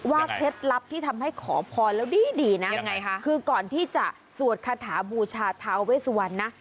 ว่าเคล็ดลับที่ทำให้ขอพรแล้วดีนะคือก่อนที่จะสวดคาถาบูชาท้าวเวสวรนะ